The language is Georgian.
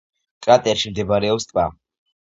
კრატერში მდებარეობს ტბა.